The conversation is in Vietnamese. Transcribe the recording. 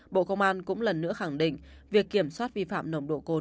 bộ công an cũng lần nữa khẳng định việc kiểm soát vi phạm nồng độ cồn